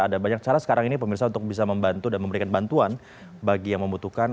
ada banyak cara sekarang ini pemirsa untuk bisa membantu dan memberikan bantuan bagi yang membutuhkan